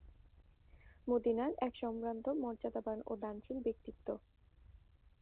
মদীনার এক সম্ভ্রান্ত মর্যাদাবান ও দানশীল ব্যক্তিত্ব।